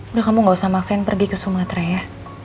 udah kamu gak usah maxin pergi ke sumatera ya